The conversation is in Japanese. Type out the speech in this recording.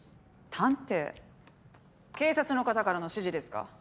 探偵警察の方からの指示ですか？